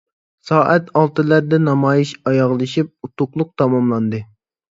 سائەت ئالتىلەردە نامايىش ئاياغلىشىپ، ئۇتۇقلۇق تاماملاندى .